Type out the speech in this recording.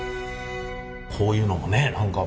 こういうのもね何か。